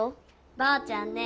ばあちゃんね